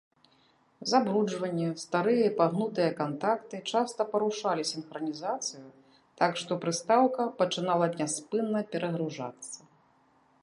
Забруджванне, старыя і пагнутыя кантакты часта парушалі сінхранізацыю, так што прыстаўка пачынала няспынна перагружацца.